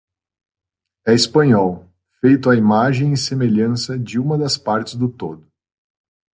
É espanhol, feito à imagem e semelhança de uma das partes do todo.